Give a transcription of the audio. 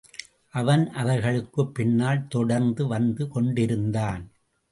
அவன் அவர்களுக்குப் பின்னால் தொடர்ந்து வந்து கொண்டிருந்தான்.